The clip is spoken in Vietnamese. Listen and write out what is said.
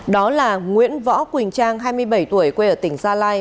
đó là nguyễn võ quỳnh trang hai mươi bảy tuổi quê ở tỉnh gia lai